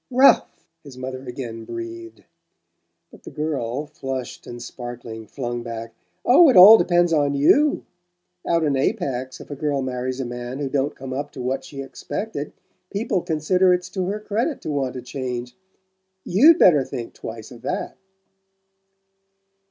"RALPH!" his mother again breathed; but the girl, flushed and sparkling, flung back: "Oh, it all depends on YOU! Out in Apex, if a girl marries a man who don't come up to what she expected, people consider it's to her credit to want to change. YOU'D better think twice of that!"